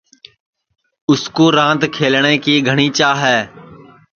اُس کُو راند کھلٹؔے کی گھٹؔی چاھ ہے